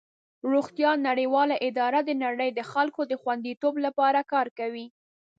روغتیا نړیواله اداره د نړۍ د خلکو د خوندیتوب لپاره کار کوي.